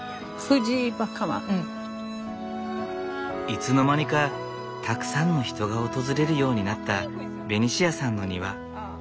いつの間にかたくさんの人が訪れるようになったベニシアさんの庭。